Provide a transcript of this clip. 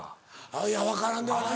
いや分からんではない。